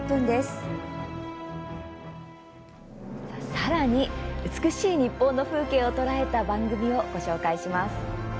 さらに美しい日本の風景を捉えた番組をご紹介します。